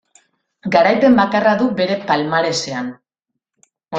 Garaipen bakarra du bere palmaresean.